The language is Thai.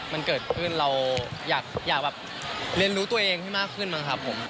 มันเกิดขึ้นเราอยากแบบเรียนรู้ตัวเองให้มากขึ้นบ้างครับผม